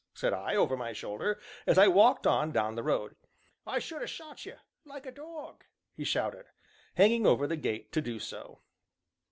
said I, over my shoulder, as I walked on down the road. " I should ha' shot ye like a dog!" he shouted, hanging over the gate to do so.